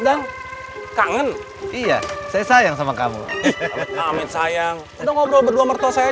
dan kangen iya saya sayang sama kamu amin sayang udah ngobrol berdua mertua saya